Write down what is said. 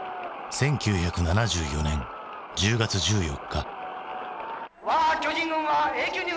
１９７４年１０月１４日。